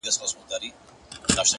لوړ هدفونه ژوره ژمنتیا غواړي.